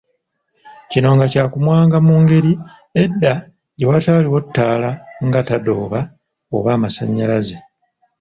kino nga kyakumwanga mu Engeri edda gye wataaliwo ttaala nga tadooba oba amasannyalaze